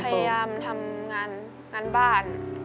ก็พยายามทำงานบ้าน